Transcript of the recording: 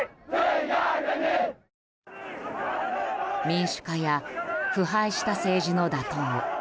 民主化や腐敗した政治の打倒。